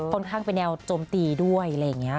ค่อนข้างเป็นแนวโจมตีด้วยอะไรอย่างนี้